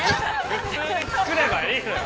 ◆普通につくればいいのよ。